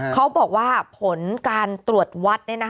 เขาบอกว่าผลการตรวจวัดเนี่ยนะ